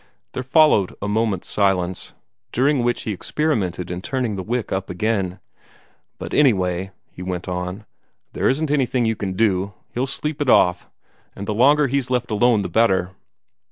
There followed a moment's silence, during which he experimented in turning the wick up again. "But, anyway," he went on, "there isn't anything you can do. He'll sleep it off, and the longer he's left alone the better.